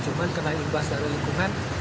cuma kena imbas dari lingkungan